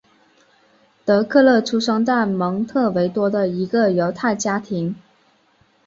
德克勒出生在蒙特维多的一个犹太家庭。